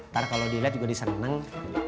ntar kalau dilihat juga disenang